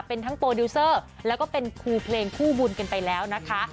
เป็นทั้งโปรดิวเซอร์แล้วก็เป็นครูเพลงคู่บุญกันไปแล้วนะคะ